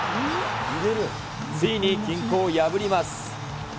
ついに均衡を破ります。